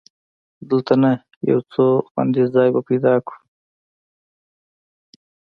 دلته نه، یو خوندي ځای به پیدا کړو.